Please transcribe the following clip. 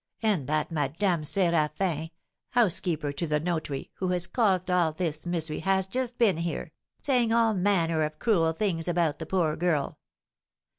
And that Madame Séraphin, housekeeper to the notary, who has caused all this misery, has just been here, saying all manner of cruel things about the poor girl.